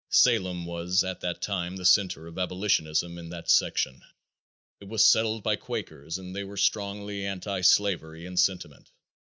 Salem was at that time the center of abolitionism in that section. It was settled by Quakers and they were strongly anti slavery in sentiment.